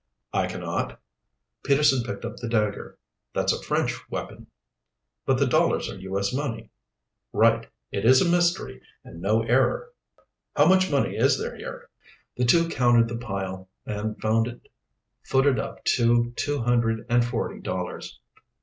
"I cannot." Peterson picked up the dagger. "That's a French weapon." "But the dollars are U. S. money." "Right. It is a mystery and no error. How much money is there here?" The two counted the pile and found it footed up to two hundred and forty dollars.